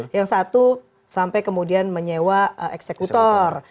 yang satu sampai kemudian menyewa eksekutor